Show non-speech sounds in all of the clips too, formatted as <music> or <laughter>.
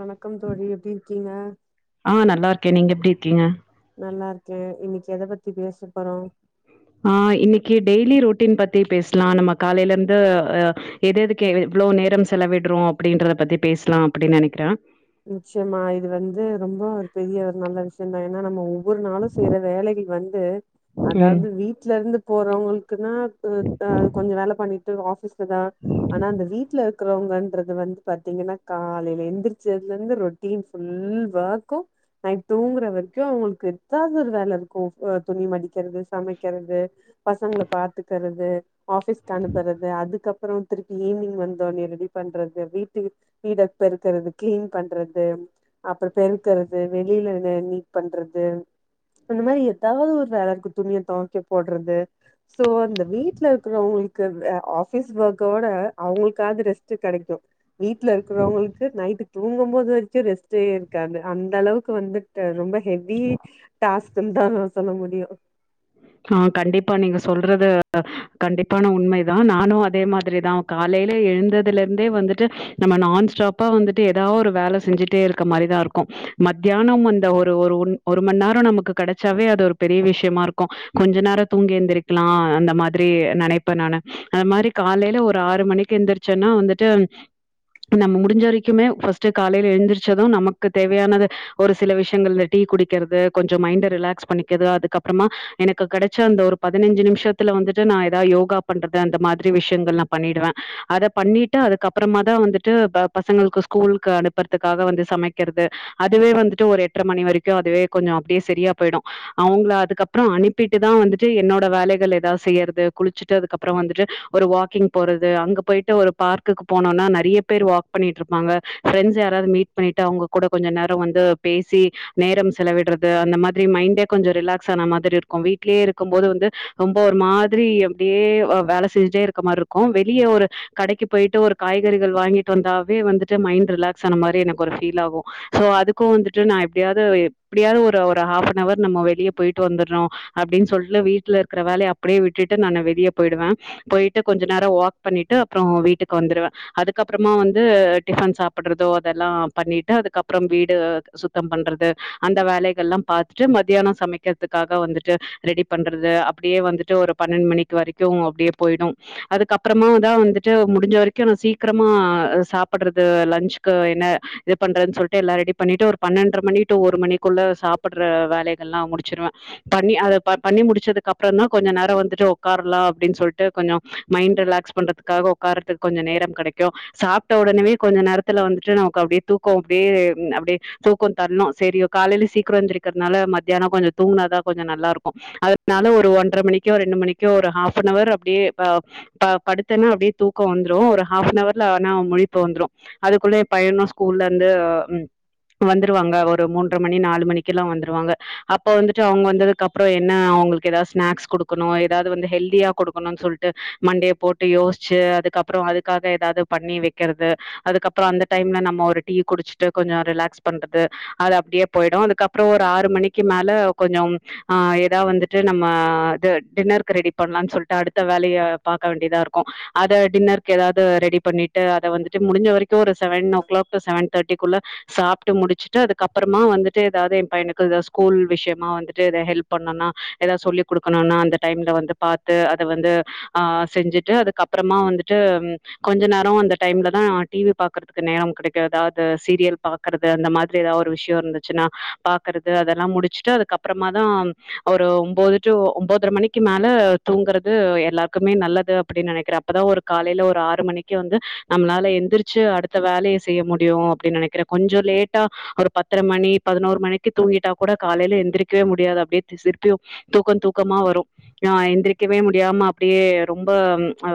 வணக்கம் தோழி எப்டி இருக்கீங்க ஆ நல்லா இருக்கே நீங்க எப்டி இருக்கீங்க நல்லா ருக்கே இன்னைக்கி எத பத்தி பேச போறோ ஆ இன்னைக்கி டெய்லி ரொட்டீன் பத்தி பேசலா நம்ம காலேல இருந்து அ எது எதுக்கு எவ் இவ்ளோ நேரம் செலவிடுறோ அப்டின்றத பத்தி பேசலா அப்டினு நெனைக்கிறே நிச்சயமா இது வந்து ரொம்ப ஒரு பெரிய ஒரு நல்ல விஷய தா ஏனா நம்ம ஒவ் வொரு நாளு செய்ற வேலைகள் வந்து ம். அதாவது வீட்ல இருந்து போறவுங்களுக்குனா பு அ கொஞ்சோ வேல பண்ணிட்டு ஆஃபீஸ் ட்டுதா ஆனா அந்த வீட்ல இருக்கிறவுங்கன்றது வந்து பாத்தீங்கன்னா காலேல எந்திரி ச்சதுல இருந்து ரொட்டீன் ஃபுல் வெர்க்கு நைட் தூங்குற வரைக்கு அவுங்களுக்கு எதாவது ஒரு வேல இருக்கு அ துணி மடிக்கிறது சமைக்கிறது பசங்கள பாத்துக்கறது ஆஃபீஸ்கு அனுப்புறது அதுக்கப் பறோ திருப்பி ஈவினிங் வந்தோனே ரெடி பண்றது வீட்டு வித் வீட பெருக்குறதுக் கிளீன் பண்றது அப்பறோ பெருக்குறது வெளிலன நீட் பண்றது அந்த மாரி எதாவது ஒரு வேல இருக்கு துணிய தொவைக்க போடுறது ஸோ அந்த வீட்ல இருக்கிறவுங்களுக்கு அந்த அ ஆஃபீஸ் ஒர்க்கோட அவுங்களுக்காது ரெஸ்ட்டு கெடைக்கு வீட்ல இருக்கிறவுங்களுக்கு நைட்டு தூங்கு போது வரைக்கு ரெஸ்டே இருக்காது அந்த அளவுக்கு வந்துட்டு ரொம்ப ஹெவி டாஸ்க்குன்னு தா நா சொல்ல முடியு ஆ கண்டிப்பா நீங்க சொல்றது கண்டிப்பான உண்மைதா நானு அதே மாதிரி தா காலேல எழுந்ததுல இருந்தே வந்துட்டு நம்ம நான் ஸ்டாப்பா வந்துட்டு எதா ஒரு வேல செஞ்சு டே இருக்க மாரிதா இருக்கு மத்தியானம் அந்த ஒரு ஒரு ஒன் ஒரு மணி நேரோ நமக்கு கெடைச்சாவே அது ஒரு பெரிய விஷயமா இருக் கு கொஞ்ச நேரோ தூங்கி எந்திரிக்கலா அந்த மாதிரி நெனைப்பே நானு அந்த மாரி காலேல ஒரு ஆறு மணிக்கு எந்திருச்சேனா வந்துட்டு நம்ம முடிஞ்ச வரைக்குமே ஃபஸ்ட்டு காலேல எழுந்திரச்சது நமக்கு தேவையானத ஒரு சில விஷயங்கள் இந்த டீ குடிக்கிறது கொஞ்சோ மைண்ட ரிலாக்ஸ் பண்ணிக்குது அதுக்கப்பறமா எனக்கு கெடைச்ச அந்த ஒரு பதினஞ்சு நிமிஷத்துல வந்துட்டு நா ஏதாவது யோகா பண்றது அந்த மாதிரி விஷயங்கள் நா பண்ணிடுவே அத பண்ணிட்டு அதுக்கப்பறமா தா வந்துட்டு ப பசங்களுக்கு ஸ்கூலுக்கு அனுப்புறதுக்காக வந்து சமைக்கிறது அதுவே வந்துட்டு ஒரு எட்டரை மணி வரைக்கு அதுவே கொஞ்சோ அப்டியே சரியா போயிடு அவுங்கள அதுக்கப் அப்றோ அனுப்பிட்டு தா வந்துட்டு என்னோட வேலைகள் எதாவது செய்றது குளிச்சுட்டு அதுக்கப்பறோ வந்துட்டு ஒரு வாக்கிங் போறது அங்க போயிட்டு ஒரு பார்க்குக்கு போனோனா நெறைய பேர் வாக் பண்ணிட்டு ருப்பாங்க ஃபிரெண்டஸ் யாராவது மீட் பண்ணிட்டு அவுங்க கூட கொஞ்சோ நேரோ வந்து பேசி நேரம் செலவிடுறது அந்த மாதிரி மைண்டே கொஞ்சோ ரிலாக்ஸ் ஆன மா திரி இருக்கு வீட்டிலயே இருக்கும்போது வந்து ரொம்ப ஒரு மாதிரி அப்டியே அ வேல செஞ்சிட்டே இருக்க மாரி இருக்கு வெளியே ஒரு கடைக்கு போயிட்டு ஒரு காய்கறிகள் வாங்கி ட்டு வந்தாவே வந்துட்டு மைண்ட் ரிலாக்ஸ் ஆன மாரி எனக்கு ஒரு ஃபீல் ஆகு சோ அதுக்கு வந்துட்டு நா எப்டியாது எப்டியாவது ஒரு ஒரு ஹாஃப் ன் அவர் நம்ம வெளியே போயிட்டு வந்துரு அப்டின்னு சொல்ட்டு வீட்ல இருக்கற வேலைய அப்டியே விட்டுட்டு நானு வெளிய போயிடுவே போயிட்டு கொஞ்ச நேரோ வாக் பண்ணிட்டு அப்பறோ வீட்டுக்கு வந்துருவ அதுக்கப்பறமா வந்து டிஃபன் சாப்பிட்றதோ அதெல்லா பண்ணிட்டு அதுக்கப்பறம் வீடு சு த்தம் பண்றது அந்த வேலைகள் எல்லா பாத்துட்டு மத்தியான சமைக்கிறது க்காக வந்துட்டு ரெடி பண்றது அப்படியே வந்துட்டு ஒரு பன்னெண்டு மணிக்கு வரைக்கு அப்படியே போயிடு அதுக்கப்பறமாதா வந்துட்டு முடிஞ்ச வரைக்கு நா சீக்கிரமா சாப்புட்றது லஞ்சுக்கு என்ன இது பண்றதுன்னு சொல்ட்டு எல்லா ரெடி பண்ணிட்டு ஒரு பன்னெண்ட்ர மணி டூ ஒரு மணிக்குள்ள சாப்பட்ற வேலைகள்லா முடிச்சிருவே பண்ணி அத ப பண்ணி முடிச்சதுக்கு அப்பறந்தா கொஞ்ச நேர வந்துட்டு உக்காரலா அப்டின்னு சொல்ட்டு கொஞ்சோ மைண்ட் ரிலாக்ஸ் பண்றதுக்காக உக்காரதுக்கு கொஞ்ச நேரம் கெடைக்கு சாப்ட்ட உடனவே கொஞ்ச நேரத்துல வந்துட்டு நமக்கு அப்டியே தூக்கோ அப்டியே அப்டியே தூக்கோ தரணு சேரி ஓ காலைல சீக்கிர எந்திரிக்கறதுனால மதியான கொஞ்சோ தூங்குனாதா கொஞ்சோ நல்லாருக்கு அதனால ஒரு ஒன்ட்ர மணிக்கோ ரெண்டு மணிக்கோ ஒரு ஹாஃப் ன் அவர் அப்டியே அ ப படுத்தன்னா அப்டியே தூக்கோ வந்துரு ஒரு ஹாஃப் ன் அவர்ல ஆனா முழிப்பு வந்துரு அதுக்குள்ள என் பையனு ஸ்கூல்ல இருந்து, ம் வந்துருவாங்க ஒரு மூன்ட்ர மணி நாலு மணிக்கெல்லா வந்துருவாங்க அ ப்போ வந்துட்டு அவங்க வந்ததுக்கு அப்பறோ என்ன அவங்களுக்கு ஏதாவது ஸ்நாக்ஸ் குடுக்கணு ஏதாவது வந்து ஹெல்தியா குடுக்கணுனு சொல் ட்டு மண்டைய போட்டு யோசிச்சு அதுக்கப்பறோ அதுக்காக ஏதாவது பண்ணி வெக்கிறது அதுக்கப்பறோ அந்த டைம்ல நம்ம ஒரு டீ குடிச்சுட்டு கொஞ்சோ ரிலாக்ஸ் பண்றது அது அப்டியே போயிடு அதுக்கப்பறோ ஒரு ஆறு மணிக்கு மேல கொஞ்சோ ஆ ஏதாவ வந்துட்டு நம்ம இது டின்னருக்கு ரெடி பண்ணலாம்னு சொல்ட்டு அடுத்த வேலைய பாக்க வேண்டியதா இருக்கு அத டின்னருக்கு ஏதாவது ரெடி பண்ணிட்டு அத வந்துட்டு முடிஞ்ச வரை த்து ஒரு seven o'clock to seven தேர்ட்டிக்குள்ள சாப்ட்டு முடிச்சுட்டு அதுக்கப்பறமா வந்துட்டு ஏதாவது என் பையனுக்கு ஸ்கூல் விஷயமா வந்துட்டு எதா ஹெல்ப் பண்ணுனா எதா சொல்லி குடுக்கணுன்னா அந்த டைம்ல வந்து பாத்து அத வந்து ஆ செஞ்சுட்டு அதுக்கப்பறமா வந்துட்டு கொஞ்ச நேரோ அந்த டைம்லதா டிவி பாக்குறதுக்கு நேரம் கிடைக்கு எதாவது சீரியல் பா க்கறது அந்த மாரி ஏதா ஒரு விஷயோ இருந்துச்சுன்னா பாக்குறது அதெல்லா முடிச்சு ட்டு அதுக்கப்பறமாதா ஒரு ஒம்போது டூ ஒம்போதர மணிக்கு மேல தூங்குறது எல்லாருக்குமே நல்ல து அப்டின்னு நெனைக்கிற அப்பதா ஒரு காலைல ஒரு ஆறு மணி க்கி வந்து நம்மளால எந்திரிச்சு அடுத்த வேலைய செய்ய முடியும அப்டின்னு நெனைக்கிறே கொஞ்சோ லேட்டா ஒரு பத்தர மணி பதினோரு மணிக்கு தூங்கிட்டா கூட காலைல எந்திரிக்கவே முடியாது அப்டியே திசர்ப்பு தூக்கம் தூக்கமா வரு ஆ எந்திரிக்கவே முடியாம அப்டியே ரொம்ப ஆ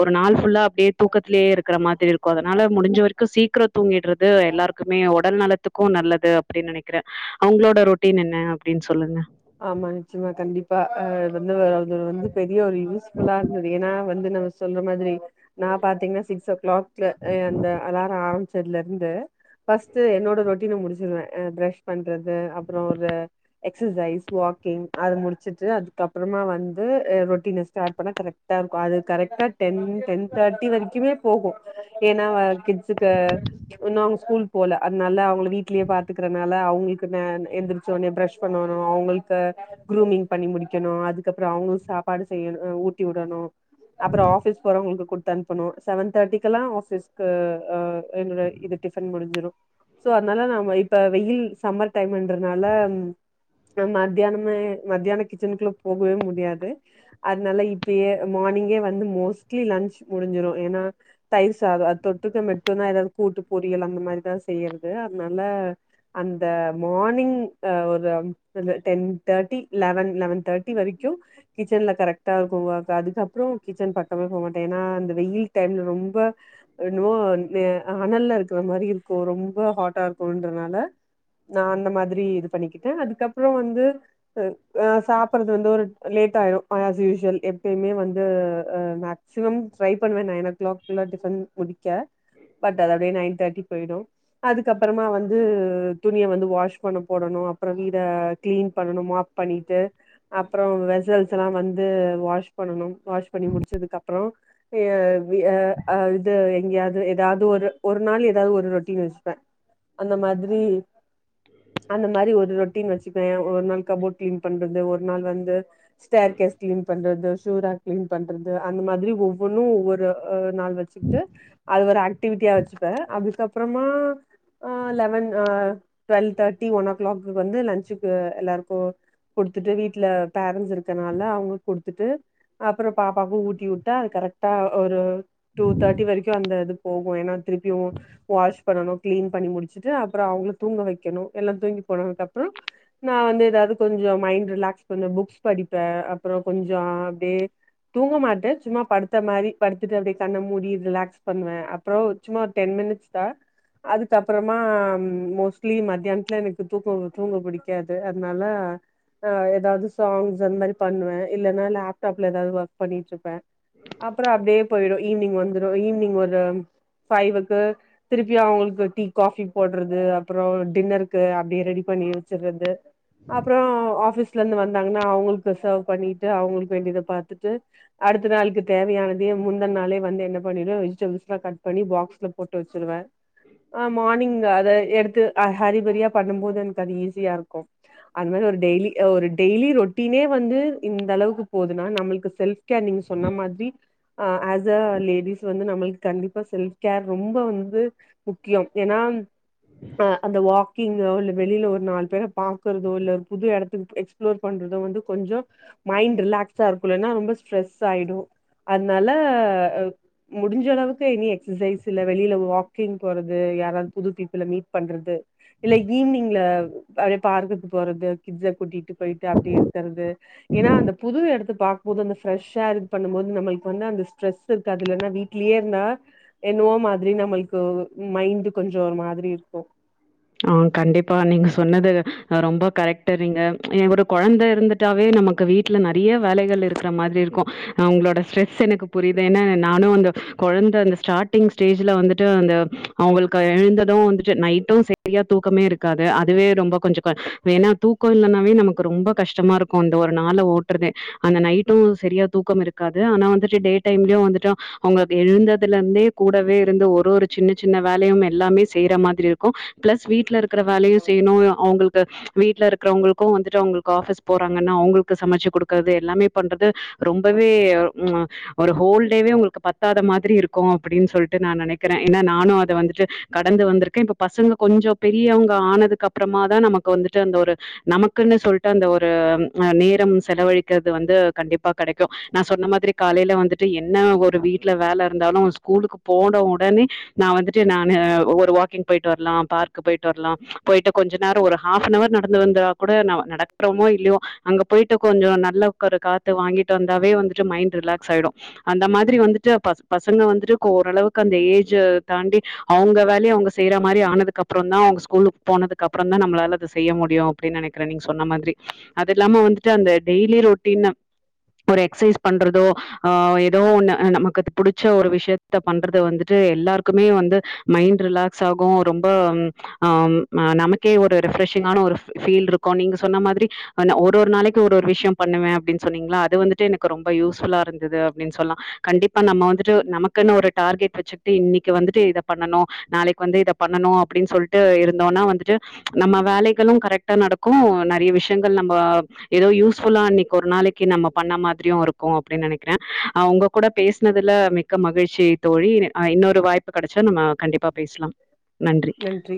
ஒரு நாள் ஃபுல்லா அப்டியே தூக்கத்திலேயே இருக்கிற மாதிரி இருக்கு அதனால முடிஞ்ச வரைக்கு சீக்கிரோ தூங்கிட்றது எல்லாரு க்குமே உடல் நலத்துக்கு நல்லது அப்டின்னு நெனைக்கிற அவங்களோட ரொட்டீன் என்ன அப்டின்னு சொல்லுங்க ஆமா நிச்சயமா கண்டிப்பா அ வந்து அது வந்து பெரிய ஒரு யூஸ் ஃபுல்லா இருந்துது ஏன்னா வந்து நம்ம சொல்ற மாதிரி நா பாத்தீங்கனா சிக்ஸ் ஓ கிளாக் அ அந்த அல்லாரம் ஆரம்பிச்சதுல இருந்து ஃபர்ஸ்ட் என்னோட ரொட்டீன முடிச்சிருவே அ ப்ரெஸ் பண்றது அப்பறோ அந்த எக்சசைஸ் வாக்கிங் அத முடிச்சுட்டு அதுக்கப்பறமா வந்து அ ரொட்டீன ஸ்டார்ட் பண்ணா கரெக் ட்ட இருக்கு அது கரெக்ட்டா டென் டென் தேர்ட்டி வரைக்குமே போகு ஏன்னா வ கிட்ஸ்க்கு இன்னு அவங்க ஸ்கூல் போல அதனால அவுங்கள வீட்லயே பாத்துக்கறனால அவுங்களுக்கு ந எந்திரிச்சோனே ப்ரஷ் பண்ணணு அவுங்களுக்கு க க்ரூமிங் பண்ணி முடிக்கணு அதுக்கப்புறோ அவுங்களு சாப்பாடு செய்யணு ஊட்டி வுடணு அப்றோ ஆபிஸ் போறவங்களுக்கு குடுத்தனுப்பனு செவன் தேர்ட்டிக்கெல்லா ஆஃபிஸ்கு அ என்னட இதுக்கு டிஃபன் முடுஞ்சுரு சோ அதனால நம் இப்ப வெயில் சம்மர் டைம்ன்றதுனால ம் நம்ம மத்தியானமே மத்தியானோ கிச்சனுக்குள்ள போகவே முடியாது அதனால இப்பயே மார்னிங்கே வந்து மோஸ்லி லஞ்ச் முடிஞ்சிறே ஏன்னா தயிர் சாதோ அது தொட்டுக்க மட்டுந்தா ஏதாவது கூட்டு பொரியல் அந்த மாரிதா செய்யறது அதனால அந்த மார்னிங் ஆ ஒரு அதுல டென் தேட்டி லெவன் லெவன் தேட்டி வரைக்கு கிச்சன்ல கரெக்டாருக்கு ஒர்க் அதுக்கப்றோ கிச்சன் பக்கமே போமாட்டே ஏன்னா அந்த வெயில் டைம்ல ரொம்ப இமோ அ அனல்லருக்கற மாரி இருக்கு ரொம்ப ஹாட்டா இருக்குமன்றனால நா அந்த மாதிரி இது பண்ணிக்கிட்டே அதுக்கப்றோ வந்து ஆ சாப்பிறது வந்து ஒரு லேட் ஆய்டு அஸ் யூஸ்வல் எப்பயுமே வந்து அ மக் சிமம் ட்ரை பண்ணுவே நைன் ஓ கிளாக்குள்ள டிஃபன் முடிக்க பட் அதாது அப்டியே நைன் தேர்டி போய்டு அதுக்கப்புறமா வந்து துணிய வந்து வாஷ் பண்ண போடணு அப்றோ வீட கிளீன் பண்ணணுமாப் பண்ணிட்டு அப்புறம் வெசல்ஸ்ல்லா வந்து வாஷ் பண்ணனு வாஷ் பண்ணி முடிச்சதுக்கப்புறம் அ வி ய அ அது எங்கேயாது ஏதாவது ஒரு ஒரு நாள் ஏதாவது ஒரு ரொட்டின் வச்சிப்பே அந்த மாதிரி அந்த மாதிரி ஒரு ரொட்டின் வச்சுபே ஒரு நாள் கபோர்ட் கிளீன் பண்றது ஒரு நாள் வந்து ஸ்டேர் கேஸ் கிளீன் பண்றது ஷாரா கிளீன் பண்றது அந்த மாதிரி ஒவ்வொன்னு ஒவ்வொரு அ ஒரு நாள் வச்சுக்கிட்டு அது ஒரு ஆக்டிவிட்டியா வச்சுப்பே அதுக்கப்புறமா அ லெவன் அ டு்வெல் தேட்டி ஒன் ஓ கிளாக்கு வந்து லன்சு எல்லாருக்கு குடுத்துட்டு வீட்ல பேரண்ட்ஸ் இருக்கனால அவுங்களுக்கு குடுத்து குடுத்துட்டு அப்பற பாப்பாக்கு ஊட்டி வுட்டா அது கரெக்டா ஒரு டூ தேர்ட்டி வரைக்கு அந்த இது போகு ஏன்னா திருப்பியு வாஷ் பண்ணணு கிளீன் பண்ணி முடிச்சுட்டு அப்புறோ அவுங்கள தூங்க வைக்கணு எல்லா தூங்கி போனதுக்கு அப்புறோ நா வந்து ஏதாவது கொஞ்சோ மைண்ட் ரிலாக்ஸ் கொஞ்சோ புக்ஸ் படிப்பே அப்புறோ கொஞ்சோ அப்டியே தூங்க மாட்டே சும்மா படுத்து படுத்த அ மாதிரி படுத்துட்டு அப்டியே கண்ண மூடி ரிலாக்ஸ் பண்ணுவே அப்றோ சும்மா ஒரு டென் மினிட்ஸ் தா அதுக்கப்றமா மோஸ்லி மத்தியானத்துல எனக்கு தூக்க தூங்க பிடிக்கு க்காது அதுனால ஆ ஏதாது சாங்ஸ் அந்த மாதிரி பண்ணுவே இல்லன்னா லேப்டாப்ல ஏதாது ஒர்க் பண்ணிட்ருப்பே அப்புறோ அப்டியே போய்ரு ஈவினிங் வந்துடு ஈவி்னிங் ஒரு பைவுக்கு திருப்பியா அவுங்களுக்கு டீ காபி போட்றது அப்பறொ டின்னருக்கு அப்டியே ரெடி பண்ணியே வெச்சிர்றது அப்றோ ஆஃபிஸ் லேந்து வந்தாங்கன்னா அவ்ங்களுக்கு சர்வ் பண்ணிட்டு அவ்ங்களுக்கு வேண்டியத பாத்துட்டு அடுத்த நாள்க்கு தேவையான தே முந்துயன் நாளே வந்து என்ன பண்ணிடுவ வெஜிடயுள்ஸ்லா கட் பண்ணி பாக்ஸ்ல போட்டு வச்சிருவ ஆ மானிங் எடுத்து ஹரிபரியா பண்ணும் போது எனக்கு அது ஈஸியாருக்கு அது மாதிரி ஒரு டெய்லி ஒரு டெய்லி ரொட்டீனே வந்து இந்த அளவுக்கு போதுனா நம்ளுக்கு செல்ஃப் நீங்க சொன்ன மாதிரி அ அஸ் அ லேடிஸ் வந்து நம்ளுக்கு கண்டிப்பா செல்ஃப் கேர் ரொம்ப வந்து முக்கியம் ஏனா அ அந்த வாக்கிங்கு இ வெளில ஒரு நாள் பேல் பாக்குறதோ இல்ல ஒரு புது இடத்துக்கு எக்ஸ்பிளோர் பண்றதோ வந்து கொஞ்சோ மைண்ட் ரிலாக்ஸா இருக்கலன்னா ரொம்ப ஸ்டரெஸ் ஆய்டு அத்னால அ முடிஞ்சளவுக்கு எங்யு எக்ஸசைஸ் இல்ல வெளியில வாக் க்கிங் போறது யாராவ்து புது பீப்புள மீட் பண்றது இல்ல ஈவ்னிங்ல அப்டியே பார்க்குக்கு போறது கிட்ஸ கூட்டிட்டு போய்ட்டு அப்டியே இருக்கற்து ஏனா அந்த புது எடத்த பாக்கம்போது அந்த ஃப்ரஷ்ஷா இது பண்ணும் போது நம்மளுக்கு வந்து அந்த ஸ்ட்ரெஸ் இருக்காது இல்லன்னா வீட்லியே இருந்தா என்னவோ மாதிரி நம்மள்க்கு மைண்டு கொஞ்சொ ஒரு மாதிரி இருக்கு ஆ கண்டிப்பா நீங்க சொன்னது அ ரொம்ப கரெக்ட்டு நீங்க எ ஒரு கொழந்த இருந்து ட்டாவே நமக்கு வீட்ல நறைய வேலைகள் இருக்குற மாத்ரி இருக்கு அவ்ங்களோட ஸ்ட்ரெஸ் எனக்கு புரிய்து ஏன்னா நானு அந்த கொழந்த அந்த ஸ்டாட்டிங் ஸ்டேஜ்ல வந்துட்டு அந்த அவ்ங்களுக்கு எழுந்தது வந்துட்டு நைட்டு செ ரியா தூக்கமே இருக்காது அதுவே ரொம்ப கொஞ்சொ வேணா தூக்கொ இல்லன்னாவே நமக்கு ரொம்ப கஷ்டமாருக் கு அந்த ஒரு நாள ஓட்றதே அந்த நைட்டு சரியா தூக்கம் இருக்காது ஆனா வந்துட்டு டே டைம்லயு வந்துட்டா அவ்ங்க எழுந்ததுலேர்ந்தே கூடவே இருந்து ஒரு ஒரு சின்ன சின்ன வேலையும் எல்லாமே செய்ற மாதிரி இருக்கு ப்ளஸ் வீட்ல இருக்குற வேலையு செய்ணு அவ்ங்களுக் கு வீட்ல இருக்குறவங்களுக்கு வந்துட்டு அவ்ங்களுக்கு ஆஃபீஸ் போறாங்கன்னா அவ்ங்களுக்கு சமச்சு குடுக்குறது எல்லாமே பண்றது ரொம்பவே ம் அ ஒரு ஹோல் டேவே உங்களுக்கு பத்தாத மாதிரி இருக்கு அப்டீன் சொல்லிட்டு நா நெனக் கற ஏனா நானு அத வந்துட்டு கடந்து வந்உருக்கே இப்ப பசங்க கொஞ்சொ பெரியவ்ங்க ஆனதுக்கப்பறமாதா நமக்கு வந்துட்டு அந்த ஒரு நமக்குன்னு சொல்ட்டு அந்த ஒரு அ நேரம் செலவழிக்கெற்து வந்து கண்டிப்பா கெடைக்கு நா சொன்ன மாதிரி காலைல வந்துட்டு என்னா ஒரு வீட்ல வேல வந்தாலு ஸ்கூலுக்கு போன ஒடனே நா வந்துட்டு நானு ஒரு வாக்கிங் போய்ட்டு வர்லா பார்க்கு பொய்ட்டு வர்லா போய்ட்டு கொஞ்ச நேரொ ஒரு ஹாஃப்னவர் நடந்து வந்தா கூட நம நடக்குறோமோ இல்லையோ அங்க போய்ட்டு கொஞ்சொ நல்ல ஒரு காத்து வாங்கிட்டு வந்தாவே வந்துட்டு மைண்ட் ரிலாக்ஸாய்டு அந்த மாதிரி வந்துட்டு பஸ் பசங்க வந்துட்டு க ஓரளவுக்கு அந்த ஏஜு தாண்டி அவ்ங்க வேலைய அவ்ங்க செய்ற மாரி ஆனதுக்கப் <unintelligible> அவ்ங்க ஸ்கூலுக் போனதுக்கப்றொந்தா நம்ளால அத செய்ய முடியு அப்பிடின் நெனக்கிற நீங்க சொன்ன மாத்ரி அது இல்லாம வந்துட்டு அந்த டெய்லி ரொட்டீன் ஒரு எக்சைஸ் பண்றதோ ஆ ஏதோ ஒன்னு நமக்கு புடிச்ச ஒரு விஷயத்த பண்றது வந்துட்டு எல்லார்க்குமே வந் து மைண்ட் ரிலாக்ஸாகு ரொம்ப அ ஆ அ நமக்கே ஒரு ரெஃப்ரெஷிங்கான ஒரு ஃப் ஃபீல் இருக்கு நீங்க சொன்ன மாத்ரி அ ந ஒரு ஒரு நாளைக்கு ஒரு ஒரு விஷ்யொ பண்ணுவ அப்டின் சொன்னீங்ளா அது வந்துட்டு எனக்கு ரொம்ப யூஸ் ஃபுல்லா இருந்தது அப்டின் சொல்லா கண்டிப்பா நம்ம வந்துட்டு நமக்குன்னு ஒரு டார்கெட் வச்சுக்ட்டு இன்னக்கி வந்துட்டு இத பண்ணணு நாளைக் வந்து இத பண்ணணு அப்டின் சொல்ட்டு இருந்தோன்னா வந்துட்டு நம்ம வேலைகள கரெக்ட்டா நடக்கு நறையா விஷயங்கள் நம்ப ஏதோ யூஸ்ஃபுல்லா இன்னைக்கு ஒரு நாளைக்கி நம்ம பண்ண மாதிரியு இருக்கு அப்டின் நெனக்கிற அ உங்க கூட பேஸ்னதுல மிக்க மகிழ்ச்சி தோழி இன ஆ இன்னொரு வாய்ப்பு கெடச்சா நம்ம கண்டிப்பா பேஸ்லா நன்றி நன்றி